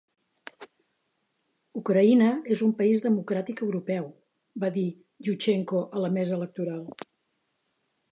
"Ucraïna és un país democràtic europeu", va dir Yushchenko a la mesa electoral.